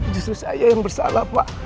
justru saya yang bersalah pak